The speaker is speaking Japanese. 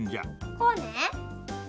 こうね。